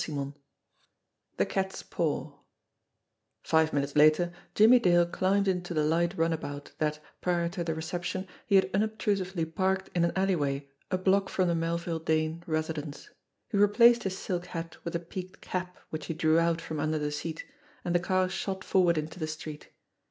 XIV THE CAT'S PAW FIVE minutes later, Jimmie Dale climbed into the light runabout that, prior to the reception, he had unob trusively parked in an alleyway a block from the Melville Dane residence. He replaced his silk hat with a peaked cap which he drew out from under the seat and the car shot forward into the street.